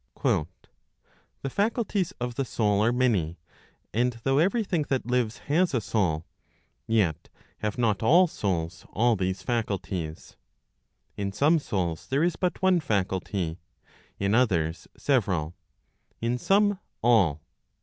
" The faculties of the soul are many ; and though everything that lives has a soul, yet have not all souls all these faculties. In some souls there is but one faculty, in others several, in some all.